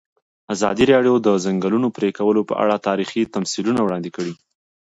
ازادي راډیو د د ځنګلونو پرېکول په اړه تاریخي تمثیلونه وړاندې کړي.